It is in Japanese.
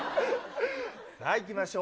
さあ、いきましょう。